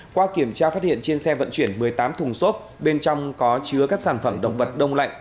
qua kiểm tra phát hiện trên xe vận chuyển một mươi tám thùng xốp bên trong có chứa các sản phẩm động vật đông lạnh